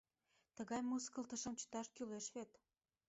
Тыгай мыскылтышым чыташ кӱлеш вет...